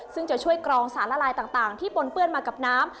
ซึ่งจะช่วยกรองสารละลายต่างที่ปนเปื้อนมากับน้ำ